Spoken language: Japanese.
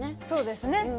そうですね。